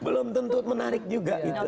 belum tentu menarik juga gitu loh